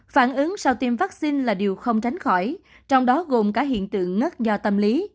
phản ứng sau tiêm vaccine là điều không tránh khỏi trong đó gồm cả hiện tượng ngất do tâm lý